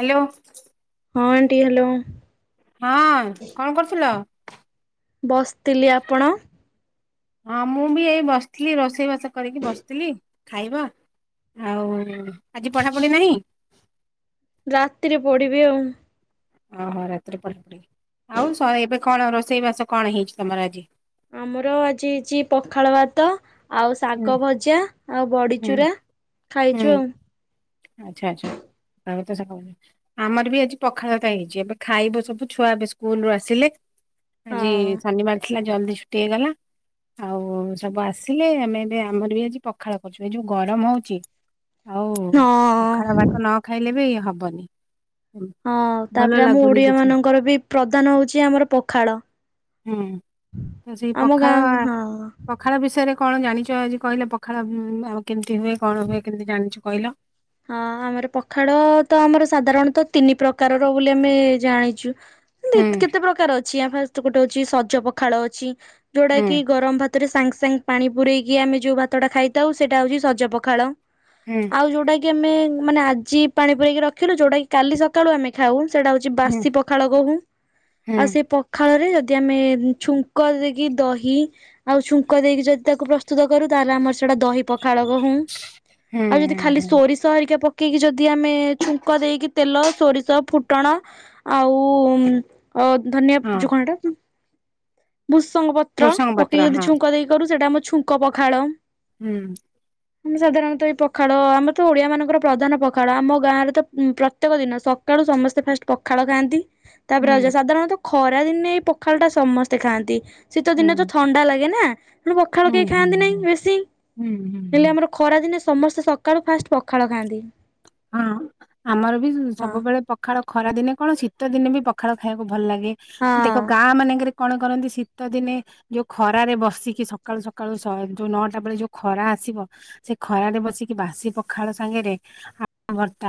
Hello. ହଁ aunty hello. ହଁ କଣ କରୁଥିଲ? ବସିଥିଲି, ଆପଣ? ହଁ ମୁଁ ବି ଏଇ ବସିଥିଲି, ରୋଷେଇବାସ କରିକି ବସିଥିଲି। ଖାଇବା ଆଉ ଆଜି ପଢ଼ାପଢ଼ି ନାହିଁ? ରାତିରେ ପଡିବି ଆଉ। ଓହୋ ରାତିରେ ପଢା ପଢିବି ଆଉ ଏବେ କଣ ରୋଷେଇ ବାସ କଣ ହେଇଛି ତମର ଆଜି? ଆମର ଆଜି ହେଇଛି ପଖାଳ ଭାତ। ଆଉ ହୁଁ ଶାଗ ଭଜା ଆଉ ହୁଁ ବଡିଚୁରା ହୁଁ ଖାଇଛୁ ଆଉ। ଆଚ୍ଛା ଆଚ୍ଛା। ଆମର ବି ଆଜି ପଖାଳତ ହେଇଛି ଏବେ ଖାଇବ ସବୁ ଛୁଆ ଏବେ ସ୍କୁଲୁ ଆସିଲେ। ଆଜି ହଁ ଶନିବାର ଥିଲା ଜଲଦି ଛୁଟି ହେଇଗଲା ଆଉ ସବୁ ଆସିଲେ ଆମେ ଏ ଆମର ବି ଆଜି ପଖାଳ କରୁଛୁ ଏ ଯୋଉ ଗରମ ହଉଛି ଆଉ ହଁ ପଖାଳ ଭାତ ନ ଖାଇଲେ ବି ହେବନି। ହଁ ତାପରେ ଆମ କିଛି। ଓଡିଆମାନଙ୍କର ବି ପ୍ରଧାନ ହଉଛି ଆମର ପଖାଳ। ହୁଁ ତ ସେଇ ଆମ ଗାଁ ପଖାଳ ହଁ ପଖାଳ ବିଷୟରେ କଣ ଜାଣିଛ ଆଜି କହିଲ? ପଖାଳ ଆଉ କେମିତି ହୁଏ? କଣ ହୁଏ? କେମିତି ଜାଣିଛ କହିଲ? ହଁ ଆମର ପଖାଳ ତ ଆମର ସାଧାରଣତଃ ତିନି ପ୍ରକାରର ବୋଲି ଆମେ ଜାଣିଛୁ। ହୁଁ କେତେ ପ୍ରକାର ଅଛି ଆମ ଫା ଗୋଟେ ହଉଛି ସଜ ପଖାଳ ଅଛି ଯୋଉଟା ହୁଁ କିି ଗରମ ଭାତରେ ସାଙ୍ଗେ ସାଙ୍ଗେ ପାଣି ପୁରରେଇକି ଆମେ ଯୋଉ ଭାତ ଟା ଖାଇଥାଉ ସେଇଟା ହଉଛି ସଜ ପଖାଳ ହଁ। ଆଉ ଯୋଉଟା କି ଆମେ ମାନେ ଆଜି ପାଣି ପୁରେଇକି ରଖିଲୁ ଯୋଉଟା କି କାଲି ସକାଳୁ ଆମେ ଖାଉ ସେଟା ହ ହୁଁ ବାସି ପଖାଳ କହୁ। ହୁଁ ଆଉ ସେ ଖାଳରେ ଯଦି ଆମେ ଛୁଙ୍କ ଦେଇକି ଦହି ଆଉ ଛୁଙ୍କ ଦେଇକି ଯଦି ତାକୁ ପ୍ରସ୍ତୁତ କରୁ ତାହେଲେ ଆମର ସେଇଟା ଦହି ପକ ଖାଳ କହୁ ହୁଁ ଆଉ ଯଦି ହୁଁ ଖାଲି ହୁଁ ସୋରିଷ ହରିକା ପକେଇକି ଯଦି ଆମେ ଛୁଙ୍କ ଦେଇକି ତେଲ ସୋରିଷ ଫୁଟଣ ଆଉ ଧନିଆ ହଁ ଯୋଗଣ ଟା ଭୁସଙ୍ଗ ପତ୍ର ଭୃଷଙ୍ଗ ପକେଇକି ପତ୍ର ଯଦି ହଁ ଛୁଙ୍କ ଦେଇ କରୁ ସେଇଟା ଆମ ଛୁଙ୍କ ପଖାଳ। ହୁଁ। ଆମେ ସାଧାରଣତଃ ଏଇ ପଖାଳ ଆମର ତ ଓଡିଆମାନଙ୍କର ପ୍ରଧାନ ପଖାଳ ଆମ ଗାଁରେ ତ ପ୍ରତ୍ୟେକ ଦିନ ସକାଳୁ ସମସ୍ତେ ଫାଷ୍ଟ ପଖାଳ ଖାଆନ୍ତି। ତାପରେ ହୁଁ ଆ ସାଧାରଣତଃ ଖରା ଦିନେ ଏଇ ପଖାଳଟା ସମସ୍ତେ ଖାଆନ୍ତି। ଶୀତ ହୁଁ ଦିନେ ତ ଥଣ୍ଡା ଲାଗେ ନା ପଖାଳ ହୁଁ କେହି ହୁଁ ଖାଆନ୍ତି ନାହିଁ ବେଶୀ ହୁଁ ହୁଁ ହେଲେ ହୁଁ ଆମର ଖରାଦିନେ ସମସ୍ତେ ସକାଳୁ ଫାଷ୍ଟ ପଖାଳ ଖାଆନ୍ତି। ହଁ ଆମର ବି ହଁ ସବୁବେଳେ ପ ପଖାଳ ଖରା ଦିନେ କଣ ଶୀତ ଦିନେ ବି ପଖାଳ ଖାଇବାକୁ ଭଲ ଲାଗେ ହଁ। ଦେଖ ଗାଁ ମାନେଙ୍କେରେ କଣ କରନ୍ତି ଶୀତଦିନେ? ଯୋଉ ଖରାରେ ବସିକି ସକାଳୁ ସକାଳୁ ଯୋଉ ନଅଟା ବେଳେ ଯୋଉ ଖରା ଆସିବ ସେ ଖରାରେ ବସିକି ବାସି ପଖାଳ ସାଙ୍ଗରେ ଭର୍ତ୍ତା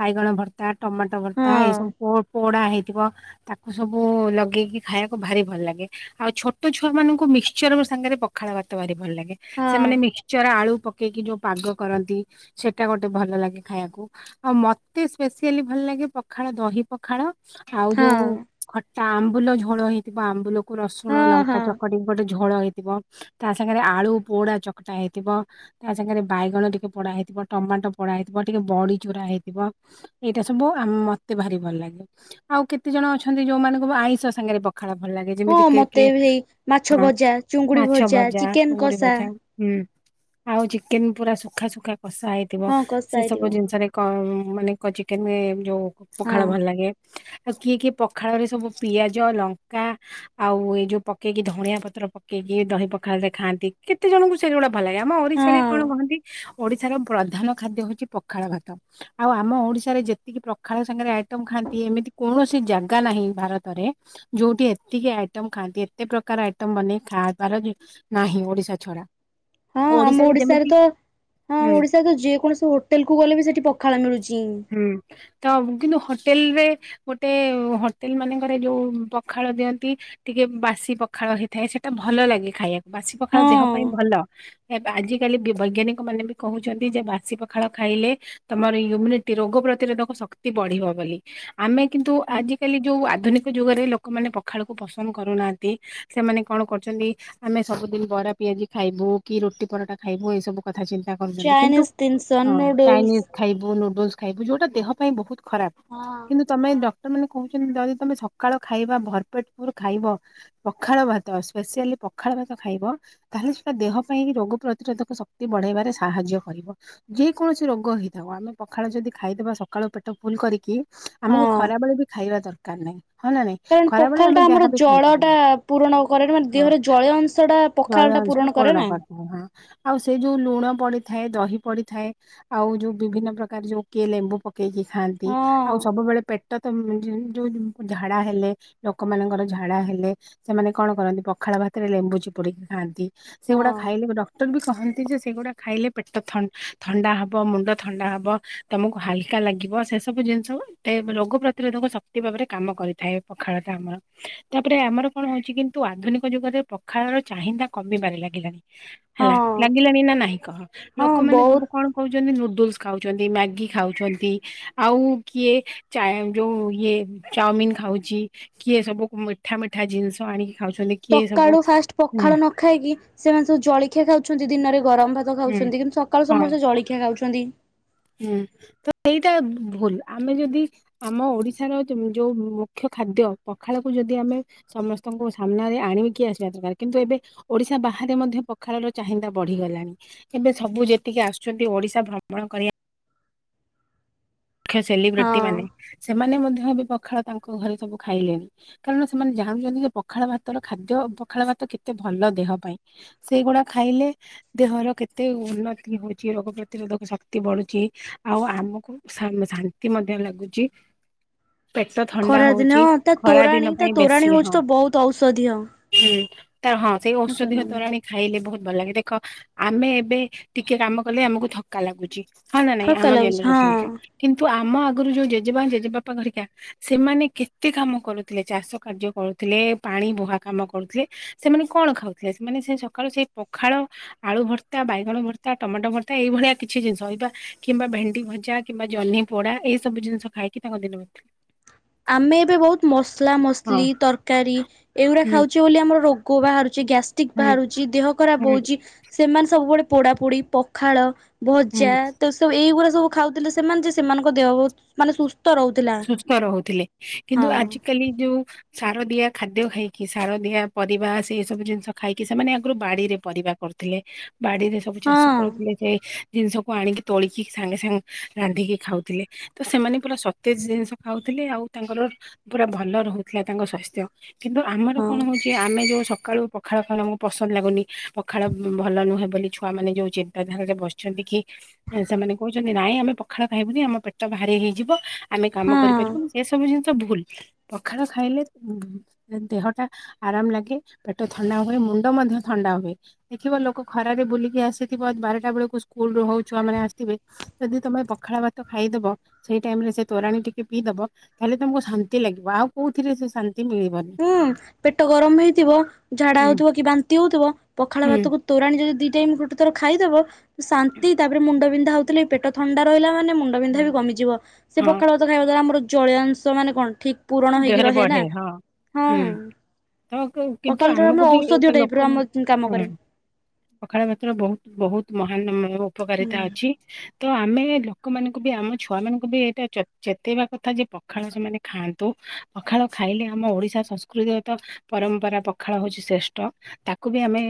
ବାଇଗଣ ଭର୍ତ୍ତା ଟମାଟୋ ଭର୍ତ୍ତା ଏଇ ହଁ ସବୁ ପୋଡା ହେଇଥିବ। ତାକୁ ସବୁ ଲଗେଇକି ଖାଇବାକୁ ଭାରି ଭଲ ଲାଗେ। ଆଉ ଛୋଟ ଛୁଆ ମାନଙ୍କୁ ମିକ୍ସଚର ସାଙ୍ଗରେ ପଖାଳ ଭାତ ଭାରି ଭଲ ଲାଗେ। ହଁ ସେମାନେ ମିକ୍ସଚର ଆଳୁ ପକେଇକି ଯୋଉ ପାଗ କରନ୍ତି ସେଟା ଗୋଟେ ଭଲ ଲାଗେ। ଖାଇବାକୁ ଆଉ ମତେ ସ୍ପେସିଆଲି ଭଲ ଲାଗେ ପଖାଳ ଦହି ପଖାଳ ଆଉ ଯୋଉ ହଁ ଖଟା ଆମ୍ବୁଲ ଝୋଳ ହେଇଥିବ ଆମ୍ବୁଲକୁ ରସୁଣ ହଁ ଲଙ୍କା ହଁ ଚକଟି ଗୋଟେ ଝୋଳ ହୋଇଥିବ। ତା ସାଙ୍ଗରେ ଆଳୁ ପୋଡା ଚକଟା ହେଇଥିବ। ତା ସାଙ୍ଗରେ ବାଇଗଣ ଟିକେ ପୋଡା ହେଇଥିବ ଟମାଟୋ ପୋଡା ହେଇଥିବ। ମତେ ଟିକେ ବଡିଚୁରା ହେଇଥିବ ଏଇଟା ସବୁ ଆମ ମତେ ଭାରି ଭଲ ଲାଗେ। ଆଉ କେତେ ଜଣ ଅଛନ୍ତି ଯୋଉମାନଙ୍କୁ ଆଇଁଷ ସାଙ୍ଗରେ ପ ଖାଳ ଭଲ ଲାଗେ ଯେମିତି ହଁ କି କି ମତେ ବି ସେଇ ମାଛ ହଁ ଭଜା ଚୁଙ୍ଗୁଡି ମାଛ ଭଜା ଚିକେନ ଚୁଙ୍ଗୁଡି କଷା ଭଜା। ହୁଁ ଆଉ ଚିକେନ ପୁରା ସୁୁଖା ସୁୁଖା କଷା ହେଇଥିବ ହଁ କଷା ସେ ହେଇଥିବ ସବୁ ଜିନ ଜିନିଷରେ କଣ ମାନେ କ ଚିକେନ ଯୋଉ ହଁ ପଖାଳ ଭଲ ଲାଗେ। ଆଉ କିଏ କିଏ ପଖାଳରେ ସବୁ ପିଆଜ ଲଙ୍କା ଆଉ ଏଇ ଯୋଉ ପକେଇକି ଧଣିଆ ପତ୍ର ପକେଇକି ଦହି ପଖାଳରେ ଖାଆନ୍ତି। କେତେ ଜଣଙ୍କୁ ସେ ଗୁଡା ଭଲ ଲାଗେ ଆମ ଓରିଶାରେ ହଁ କଣ କହନ୍ତି ଓଡିଶାର ପ୍ରଧାନ ଖାଦ୍ୟ ହଉଛି ଉଛି ପଖାଳ ଭାତ। ଆଉ ଆମ ଓଡିଶାରେ ଯେତିକି ପଖାଳ ସାଙ୍ଗରେ ଆଇଟମ ଖାଆନ୍ତି ଏମିତି କୌଣସି ଯାଗା ନାହିଁ ଭାରତରେ ଯୋଉଠି ଏତିକି ଆଇଟମ ଖାଆନ୍ତି ଏତେ ପ୍ରକାର ଆଇଟମ ବନେଇ ଖାଆବାର ନାହିଁ ଓଡିଶା ଛଡା ହଁ ଆମ ଓଡିଶାରେ ତ ହଁ ହୁଁ ଓଡିଶାରେ ତ ଯେକୌଣସି ହୋ ହୋଟେଲକୁ ଗଲେ ବି ସେଠି ପଖାଳ ମିଳୁଛି। ହୁଁ ତ କିନ୍ତୁ ହୋଟେଲରେ ଗୋଟେ ହୋଟେଲ ମାନଙ୍କରେ ଯୋଉ ପଖାଳ ଦିଅନ୍ତି ଟିକେ ବାସି ପଖାଳ ହେଇଥାଏ ସେଟା ଭଲ ଲାଗେ ଖାଇବାକୁ। ବାସି ପଖାଳ ଦେହ ପାଇଁ ହଁ ଭଲ ଆଜିକାଲି ବୈଜ୍ଞାନିକ ମାନେ ବି କହୁଛନ୍ତି ଯେ ବାସି ପଖାଳ ଖାଇଲେ ତମର ଇମୁନିଟି ରୋଗ ପ୍ରତିରୋଧକ ଶକ୍ତି ବଢିବ ବୋଲି। ଆମେ କିନ୍ତୁ ଆଜିକାଲି ଯୋଉ ଆଧୁନିକ ଯୁଗରେ ଲୋକମାନେ ପଖାଳକୁ ପସନ୍ଦ କରୁନାହାନ୍ତି। ସେମାନେ କଣ କରୁଛନ୍ତି ଆମେ ସବୁଦିନ ବରା ପିଆଜି ଖାଇବୁ କି ରୁଟି ପରଟା ଖାଇବୁ ଏ ସବୁ କଥା ଚିନ୍ତା କରୁଛନ୍ତି କିନ୍ତୁ ଚାଇନିଜ ଜିନିଷ ହଁ ନୁଡୁଲସ ଚାଇନିଜ ଖାଇବୁ ନୁଡୁଲସ ଖାଇବୁ ଯୋଉଟା ଦେହ ପାଇଁ ବହୁତ ଖରାପ। ହଁ। କିନ୍ତୁ ତୁମେ ଡକ୍ଟରମାନେ କହୁଛନ୍ତି ଯଦି ତମେ ସକାଳୁ ଖାଇବା ଭରପେଟ ପୁର ଖାଇବ ପଖାଳ ଭାତ ସ୍ପେସିଆଲି ପଖାଳ ଭାତ ଖାଇବ। ତାହେଲେ ସେଟା ଦେହ ପାଇଁ ରୋଗ ପ୍ରତିରୋଧକ ଶକ୍ତି ବଢେଇବାରେ ସାହାଯ୍ୟ କରିବ। ଯେକୌଣସି ରୋଗ ହେଇଥାଉ ଆମେ ପଖାଳ ଯଦି ଖାଇଦବା ସକାଳୁ ପେଟ ଫୁଲ କରିକି ଆମକୁ ହଁ ଖରାବେଳେ ବି ଖାଇବା ଦରକାର ନାହିଁ ହଁ ନା ନାଇଁ? କାରଣ ଖରାବେଳେ ଆମେ ପଖାଳଟା ଆମର ଯାହାବି ଖାଇପାରିବା ଜଳଟା ପୂରଣ କରେ ମାନେ ହଁ ଦେହରେ ଜଳୀୟ ଅଂଶଟା ଜଳୀୟ ଅଂଶ ପୂରଣ କରିଥାଏ ହଁ ଆଉ ସେ ଯୋଉ ଲୁଣ ପଡିଥାଏ ଦହି ପଡିଥାଏ ଆଉ ଯୋଉ ବିଭିନ୍ନ ପ୍ରକାର ଯୋଉ କିଏ ଲେମ୍ବୁ ପକେଇକି ଖାଆନ୍ତି ହଁ ଆଉ ସବୁବେଳେ ପେଟ ତ ଯୋଉ ଝାଡା ହେଲେ ଲୋକମାନଙ୍କର ଝାଡା ହେଲେ ସେମାନେ କଣ କରନ୍ତି ପଖାଳ ଭାତରେ ଲେମ୍ବୁ ଚିପୁଡିକି ଖାଆନ୍ତି। ସେଗୁଡା ହଁ ଖାଇଲେ ଡକ୍ଟର ବି କହନ୍ତି ଯେ ସେଗୁଡା ଖାଇଲେ ପେଟ ଥନ ଥଣ୍ଡା ହବ ମୁଣ୍ଡ ଥଣ୍ଡା ହବ ତମକୁ ହାଲକା ଲାଗିବ ସେ ସବୁ ଜିନିଷ ରୋଗ ପ୍ରତିରୋଧକ ଶ ଶକ୍ତି ଭାବରେ କାମ କରିଥାଏ ପଖାଳଟା ଆମର। ତାପରେ ଆମର କଣ ହଉଛି କିନ୍ତୁ ଆଧୁନିକ ଯୁଗରେ ପଖାଳର ଚାହିଦା କମିବାରେ ଲାଗିଲା। ହଁ ହେଲା ଲାଗିଲାଣି ନା ନାଇଁ କହ ହଁ ଲୋକମାନେ ବହୁତ ସବୁ କଣ ଖାଉଛନ୍ତି ନୁଡୁଲ୍ସ ଖାଉଛନ୍ତି ମ୍ୟାଗି ଖାଉଛନ୍ତି। ଆଉ କିଏ ଯୋଉ ଇଏ ଚାଉମିିନ ଖାଉଛି କିଏ ସବୁ ମିଠା ମିଠା ଜିନିଷ ଆଣିକି ଖାଉଛନ୍ତି। କିଏ ସବୁ ସକାଳୁ ଫାଷ୍ଟ ହୁଁ ପଖାଳ ନ ଖାଇକି ସେମାନେ ସବୁ ଜଳଖିଆ ଖାଉଛନ୍ତି ଦିନରେ ଗରମ ଭାତ ହୁଁ ଖାଉଛନ୍ତି କିନ୍ତୁ ସକାଳୁ ହଁ ସମସ୍ତେ ଜଳଖିଆ ଖାଉଚ୍ ଛନ୍ତି। ହୁଁ ତ ଏଇଟା ଭୁଲ ଆମେ ଯଦି ଆମ ଓଡିଶାର ଯୋଉ ମୁଖ୍ୟ ଖାଦ୍ୟ ପଖାଳକୁ ଯଦି ଆମେ ସମସ୍ତଙ୍କୁ ସାମ୍ନାରେ ଆଣିକି ଆସିବା ଦରକାର କିନ୍ତୁ ଏବେ ଓଡିଶା ବାହାରେ ମଧ୍ୟ ପଖାଳର ଚାହିଦା ବଢିଗଲାଣି। ଏବେ ସବୁ ଯେତିକି ଆସୁଛନ୍ତି ଓଡିଶା ଭ୍ରମଣ କରିବା ମୁଖ୍ୟ ସେଲିବ୍ରିଟି ହଁ ମାନେ ସେମାନେ ମଧ୍ୟ ଏବେ ପଖାଳ ତାଙ୍କ ଘରେ ସବୁ ଖାଇଲେଣି। କାରଣ ସେମାନେ ଜାଣୁଛନ୍ତି ଯେ ପଖାଳ ଭାତର ଖାଦ୍ୟ ପଖାଳ ଭାତ କେତେ ଭଲ ଦେହ ପାଇଁ? ସେଇଗୁଡ଼ା ଖାଇଲେ ଦେହର କେତେ ଉନ୍ନତି ହଉଛି ରୋଗ ପ୍ରତିରୋଧକ ଶକ୍ତି ବଢୁଛି ଆଉ ଆମକୁ ଶା ଶାନ୍ତି ମଧ୍ୟ ଲାଗୁଛି। ପେଟ ଥଣ୍ଡା ଖରା ଦିନ ହଉଛି ତା ଖରା ତୋରାଣୀ ଦିନ ତା ପାଇଁ ତୋରାଣୀ ବେଶୀ ହଉଛି ହଁ। ତ ବହୁତ ଔଷଧୀୟ। ହୁଁ ତା ହଁ ସେଇ ଔଷଧିୟ ତୋରାଣୀ। ଖାଇଲେ ବହୁତ ଭଲ ଲାଗେ ଦେଖ ଆମେ ଏବେ ଟିକେ କାମ କଲେ ଆମକୁ ଥକ୍କା ଲାଗୁଛି। ହଁ ନ ନାଇଁ ଥକା ଆମ ଲାଗୁଛି ହଁ ଜେନେରେସନକୁ କିନ୍ତୁ ଆମ ଆଗରୁ ଯୋଉ ଜେଜେମା ଜେଜେବାପା ଘରିକା ସେମାନେ କେତେ କାମ କରୁଥିଲେ ଚାଷ କାର୍ଯ୍ୟ କରୁଥିଲେ, ପାଣି ବୁହା କାମ କରୁଥିଲେ। ସେମାନେ କଣ ଖାଉଥିଲେ ସେମାନେ ସେ ସକାଳୁ ସେଇ ପଖାଳ ଆଳୁ ଭର୍ତ୍ତା ବାଇଗଣ ଭର୍ତ୍ତା ଟମାଟୋ ଭର୍ତ୍ତା ଏଇଭଳିଆ କିଛି ଜିନିଷ ଇବା କିମ୍ବା ଭେଣ୍ଡି ଭଜା କିମ୍ବା ଜହ୍ନି ପୋଡା ଏଇ ସବୁ ଜିନିଷ ଖାଇକି ତାଙ୍କ ଦିନ। [inaudible] ଆମେ ଏବେ ବହୁତ ମସଲା ହଁ ମସଲି ତରକାରୀ ଏଇଗୁଡା ହୁଁ ଖାଉଛୁ। ଆମର ରୋଗ ବାହାରୁଛି, ଗ୍ୟାଷ୍ଟିକ ହୁଁ ବାହାରୁଛି, ଦେହ ଖରାପ ହୁଁ ହଉଛି, ସେମାନେ ସବୁବେଳେ ପୋଡା ପୋଡି ପଖାଳ ହୁଁ ଭଜା ତ ତ ଏଇଗୁଡା ସବୁ ଖାଉଥିଲେ ସେମାନେ ଯେ ସେମାନଙ୍କ ଦେହ ମାନେ ସୁସ୍ଥ ରହୁଥିଲା। ସୁସ୍ଥ ରହୁଥିଲେ କିନ୍ତୁ ହଁ ଆଜି କାଲି ଯୋଉ ସାରଦିଆ ଖାଦ୍ୟ ଖାଇକି ସାର ଦିଆ ପରିବା ସେଇ ସବୁ ଜିନିଷ ଖାଇକି ସେମାନେ ଆଗରୁ ବାଡିରେ ପରିବା କରୁଥିଲେ ବାଡିରେ ସବୁ ଚାଷ ହଁ। କରୁଥିଲେ ସେ ଜିନିଷକୁ ଆଣିକି ତୋଳିକି ସାଙ୍ଗେ ସାଙ୍ଗେ ରାନ୍ଧିକି ଖାଉଥିଲେ ତ ସେମାନେ ପୁରା ସ ସତେଜ ଜିନିଷ ଖାଉଥିଲେ ଆଉ ତାଙ୍କର ପୁରା ଭଲ ରହୁଥିଲା ତାଙ୍କ ସ୍ୱାସ୍ଥ୍ୟ। କିନ୍ତୁ ଆମର ହଁ କଣ ହଉଛି? ଯେ ଆମେ ଯେଉଁ ସକାଳୁ ପଖାଳ ଖାଉବାକୁ ପସନ୍ଦ ଲାଗୁନି ପଖାଳ ଭଲ ନୁହେଁ ବୋଲି ଛୁଆମାନେ ଯୋଉଁ ଜି ଧାରରେ ବସିଛନ୍ତି କି ସେମାନେ କହୁଛନ୍ତି ନାଇଁ ଆମେ ପଖାଳ ଖାଇବୁନି ଆମ ପେଟ ଭାରି ହେଇଯିବ ଆମେ ହଁ କାମ କରିପାରିବୁନୁ ସେସବୁ ଜିନିଷ ଭୁଲ ପଖାଳ ଖାଇଲେ ଦେହଟା ଆରାମ ଲାଗେ ପେଟ ଥଣ୍ଡା ହୁଏ ମୁଣ୍ଡ ମଧ୍ୟ ଥଣ୍ଡା ହୁଏ। ଦେଖିବ ଲୋକ ଖରାରେ ବୁଲିକି ଆସିଥିବ ବାରଟା ବେଳକୁ ସ୍କୁଲରୁ ହଉଛୁଆ ମାନେ ଆସିଥିବେ ଯଦି ତମେ ପଖାଳ ଭାତ ଖାଇଦବ ସେଇ ଟାଇମରେ ସେ ତୋରାଣୀ ଟିକେ ପିଇଦବ ତାହେଲେ ତମକୁ ଶାନ୍ତି ଲାଗିବ ଆଉ କୋଉଥିରେ ସେ ଶାନ୍ତି ମିଳିବନି। ହୁଁ ପେଟ ଗରମ ହେଇଥିବ ଝାଡା ହୁଁ ହଉଥିବ କି ବାନ୍ତି ହଉଥିବ ପଖାଳ ହୁଁ ଭାତକୁ ତୋ ତୋରାଣୀ ଯଦି ଦି ଟାଇମ୍ ଗୋଟେ ଥର ଖାଇଦବ ଶାନ୍ତି ତାପରେ ମୁଣ୍ଡବିନ୍ଧା ହଉଥିଲେ ପେଟ ଥଣ୍ଡା ରହିଲା ମାନେ ହୁଁ ମୁଣ୍ଡବିନ୍ଧାବି କମିଯିବ ସେ ହଁ ପଖାଳ ଭାତ ଖାଇବା ଦ୍ବାରା ଆମର ଜଳୀୟାଅଂଶ ମାନେ କଣ ଠିକ୍ ପୂରଣ ହେଇକି ଦେହରେ ରହେ ବଢେ ନା। ହଁ ହୁଁ ହଁ ତ କ କିନ୍ତୁ ପଖାଳଟା ଆମକୁ ଆମର ବି ଔଷଧୀୟ ଏତେ ଟାଇପ୍ ଲୋକ ର ଆମ ହୁଁ। କାମ କରେ ପଖାଳ ଭାତର ବହୁତ୍ ବହୁତ୍ ମହାନ ମ ଉପକାରିତା ଅଛି। ତ ଆମେ ଲୋକମାନଙ୍କୁ ବି ଆମ ଛୁଆ ମାନଙ୍କୁ ବି ଏଇଟା ଚେ ଚେତେଇବା କଥା ଯେ ପଖାଳ ସେମାନେ ଖାଆ ନ୍ତୁ ପଖାଳ ଖାଇଲେ ଆମ ଓଡ଼ିଶା ସସ୍କୃତିରେତ ପରମ୍ପରା ପଖାଳ ହଉଚି ଶ୍ରେଷ୍ଟ। ତାକୁ ବି ଆମେ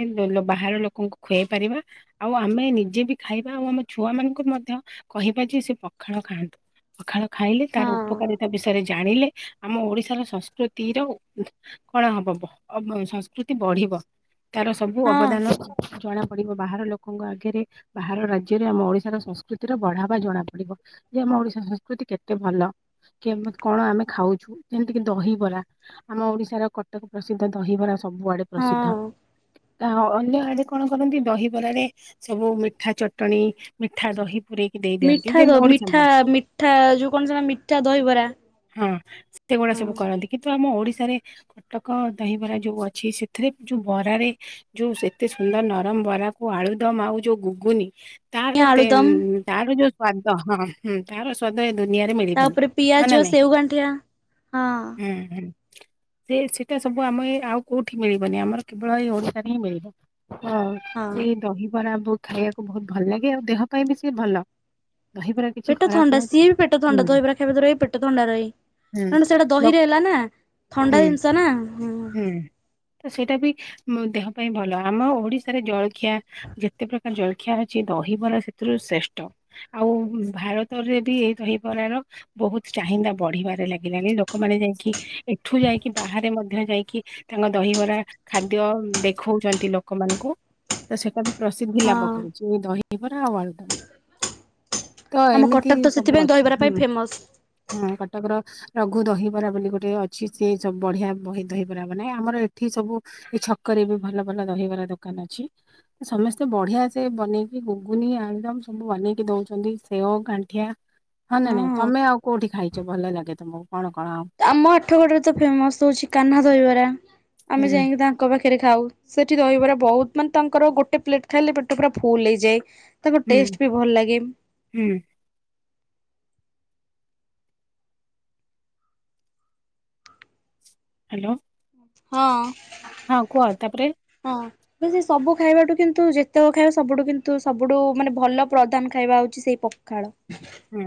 ବାହାର ଲୋକଙ୍କୁ ଖୁଆଇ ପାରିବା। ଆଉ ଆମେ ନିଜେ ବି ଖାଇବା ଆଉ ଆମ ଛୁଆ ମାନଙ୍କୁ ମଧ୍ୟ କହିବା ଯେ ସେ ପଖାଳ ଖାଆନ୍ତୁ। ପଖାଳ ଖାଇଲେ ତାର ହଁ ଉପକାରିତା ବିଷୟରେ ଜାଣିଲେ ଆମ ଓଡିଶାର ସଂସ୍କୃତିର ଉ ଉଁ କଣ ହବବ ଅବ୍ ସଂସ୍କୃତି ବଢିବ ତାର ସବୁ ହଁ। ଅବଦାନ ଜଣା ପଡିବ ବାହାର ଲୋକଙ୍କ ଆଗରେ ବାହାର ରାଜ୍ୟରେ ଆମ ଓଡିଶାର ସଂସ୍କୃତିର ବଢାବା ଜଣା ପଡିବ। ଯେ ଆମ ଓଡିଶା ସଂସ୍କୃତି କେତେ ଭଲ କେମତ୍ କଣ ଆମେ ଖାଉଛୁ ଯେମିତିକି ଦହିବରା ଆମ ଓଡିଶାର କଟକ ପ୍ରସିଦ୍ଧ ଦହିବରା। ସବୁଆଡେ ପ୍ରସିଦ୍ଧ। ହଁ ଆ ଅନ୍ୟ ଆଡେ କଣ କରନ୍ତି ଦହିବରାରେ ସବୁ ମିଠା ଚଟଣି ମିଠା ଦହି। ପୁରେଇକି ଦେଇ ଦିଅନ୍ତି ମିଠା ଦ ଯେମିତି ଓଡିଶା ମିଠା ନାହିଁ। ମିଠା ଯୋଉ କଣ ସେଟା ମିଠା ଦହିବରା। ହଁ ଏତେଗୁଡା ସବୁ ହଁ କରନ୍ତି କିନ୍ତୁ ଆମ ଓଡିଶାରେ କଟକ ଦହିବରା ଯୋଉ ଅଛି ସେଥିରେ ଯୋଉ ବରାରେ ଯୋଉ ସେତେ ସୁନ୍ଦର ନରମ ବରାକୁ ଆଳୁଦମ ଆଉ ଯୋଉ ଘୁଗୁନି। ତାର ତେନ ଆଳୁଦମ୍ ଉଁ ଉଁ ତାର ଯୋଉ ସ୍ଵାଦ ହଁ ହୁଁ। ତାର ସ୍ଵାଦ ଏ ଦୁନିଆରେ ମିଳିବନି ହଁ ନା ନାଇଁ? ଦୋ ଗାଣ୍ଠିଆ। ହଁ। ହୁଁ ହୁଁ। ସେ ସେଇଟା ସବୁ ଆମ ଏ ଆଉ କୋଉଠି ମିଳିବନି ଆମର କେବଳ ଏଇ ଓଡିଶାରେ ହିଁ ମିଳିବ। ହଁ ହଁ ସେଇ ଦହିବରାବୁ। ଖାଇବାକୁ ବହୁତ୍ ଭଲ ଲାଗେ ଆଉ ଦେହ ପାଇଁ ବି ସିଏ ଭଲ ଦହିବରା। କିଛି ପେଟ ଖରାପ ଥଣ୍ଡା ନୁହେଁ ସିଏବି ପେଟ ହୁଁ ଥଣ୍ଡା ଦହିବରା ଖାଇବା ଦ୍ଵାରା ବି ପେଟ ଥଣ୍ଡା ରହେ। ହୁଁ କାରଣ ସେଟା ଲୋକ ଦହିରେ ହେଲାନା ହୁଁ ଥଣ୍ଡା ଜିନ୍ସ ନାଁ ହୁଁ। ତ ସେଇଟା ବି ଉଁ ଦେହ ପାଇଁ ଭଲ ଆମ ଓଡିଶାରେ ଜଳଖିଆ ଯେତେ ପ୍ରକାର ଜଳଖିଆ ଅଛି ଦହିବରା ସେଥିରୁ ଶ୍ରେଷ୍ଟ। ଆଉ ଭାରତରେ ବି ଏଇ ଦହିବରାର ବହୁତ୍ ଚାହିନ୍ଦା ବଢ଼ିବାରେ ଲାଗିଲାଣିି ଲୋକମାନେ ଯାଇକି ଏଠୁ ଯାଇକି ବାହାରେ ମଧ୍ୟ ଯାଇକି ତାଙ୍କ ଦହିବରା ଖାଦ୍ୟ ଦେଖଉଚନ୍ତି ଲୋକମାନଙ୍କୁ। ତ ସେଟା ବି ପ୍ରସିଦ୍ଧି ଲାଭ ହଁ କରିଛି ଏ ଦହିିବରା ଆଉ ଆଳୁଦମ୍। ତ ଆମ ଏମିତି କଟକ ତ ସବୁ ସେଥିପାଇଁ ଅଛି ଦହିବରା ପାଇଁ ହୁଁ ଫେମସ୍ ହୁଁ କଟକର ରଘୁ ଦହିବରା ବୋଲି ଗୋଟେ ଅଛି ସେ ସବୁ ବଢିଆ ବହି ଦହିବରା ବନାଏ ଆମର ଏଠି ସବୁ ଏ ଛକରେ ବି ଭଲ ଭଲ ଦହିବାର ଦୋକାନ ଅଛି। ସମସ୍ତେ ବଢିଆ ସେ ବନେଇକି ଘୁଗୁନି ଆଳୁଦମ୍ ସବୁ ବନେଇକି ଦଉଛନ୍ତି ସେଓ ଗାଣ୍ଠିଆ ହଁ ନା ନାଇଁ ତମେ ଆଉ କୋଉଠି ଖାଇଚ ଭଲ ଲାଗେ ତମକୁ କଣ କଣ? ଆମ ଆଠଗଡରେ ତ ଫେମସ ହଉଛି କାହ୍ନା ଦହିବରା ଆମେ ହୁଁ ଯାଇଁକି ତା ଙ୍କ ପାଖରେ ଖାଉ ସେଠି ଦହିବରା ବହୁତ୍ ମାନେ ତାଙ୍କର ଗୋଟେ ପ୍ଲେଟ ଖାଇଲେ ପେଟ ପୁରା ଫୁଲ୍ ହେଇଯାଏ। ତାଙ୍କ ହୁଁ ଟେଷ୍ଟ ବି ଭଲ୍ ଲାଗେ। ହୁଁ। ହାଲୋ। ହଁ ତାପରେ ହଁ। ମୁଁ ସେ ସବୁ ଖାଇବାଠୁ କିନ୍ତୁ ଯେତକ ଖାଇବା ସବୁଠୁ କିନ୍ତୁ ସବୁଠୁ ମାନେ ଭଲ ପ୍ରଦାନ୍ ଖାଇବା ହଉଚି ସେଇ ପଖାଳ। ହୁଁ।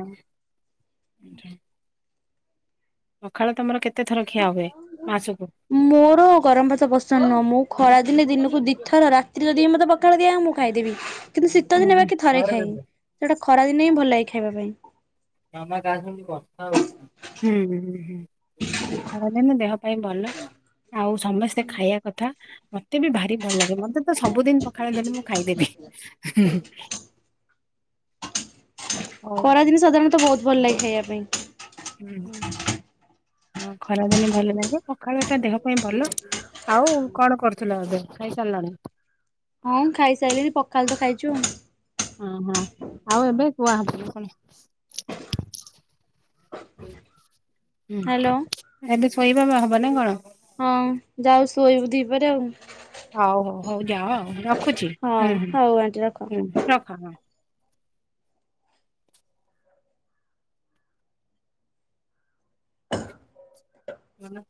ପଖାଳ ତମର କେତେଥର ଖିଆ ହୁଏ ମାସକୁ? ମୋର ଗରମଭାତ ପସନ୍ଦ ନୁହଁ ମୁଁ ଖରାଦିନେ ଦିନକୁ ଦିଥର ରାତିରେ ଯଦି ମୋତେ ପଖାଳ ଦିଆହବ ମୁଁ ଖାଇଦେବି। କିନ୍ତୁ ଶୀତ ହୁଁ ଦିନ ହୁଁ ବାକି ଥରେ ଖାଏ ସେଟା ଖରାଦିନେ ହିଁ ଭଲ ଲାଗେ ଖାଇବା ପାଇଁ। ହୁଁ ହୁଁ। ଖରାଦିନ ଦେହ ପାଇଁ ଭଲ ଆଉ ସମସ୍ତେ ଖାଇବା କଥା ମତେ ବି ଭାରି ଭଲ ଲାଗେ। ମତେ ତ ସବୁଦିନ ପଖାଳ ଦେଲେ ମୁଁ ଖାଇଦେବି। ହଉ ଖରାଦିନେ ସାଧାରଣତଃ ବହୁତ ଭଲ ଲାଗେ ଖାଇବା ପାଇଁ। ହଁ ଖରା ଦିନେ ଭଲ ଲାଗେ ପଖାଳଟା ଦେହ ପାଇଁ ଭଲ। ଆଉ କଣ କରୁଥିଲ ଏବେ ଖାଇସାରିଲଣି? ହଁ ଖାଇସାରିଲିଣି ପଖାଳ ତ ଖାଇଛୁ ଆଉ। ହଁ ହଁ ଆଉ ଏବେ କୁହା [inaudible] ହୁଁ ହ୍ୟାଲୋ। ଏବେ ଶୋଇବା ହବ ନା କଣ? ହଁ ଯାଉଛୁ ଶୋଇବୁ ଦି ପରେ ଆଉ। ହଉ ହଉ ହଉ ଯାଅ ଆଉ ରଖୁଛି ହଁ ହୁଁ ହଉ ଆଣ୍ଟି ରଖ। ହୁଁ ରଖ ହଁ। ୍